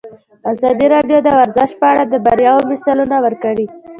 ازادي راډیو د ورزش په اړه د بریاوو مثالونه ورکړي.